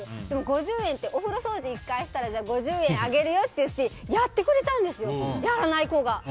でも５０円ってお風呂掃除１回したら５０円あげるよって言ってやってくれたんですよやらない子が。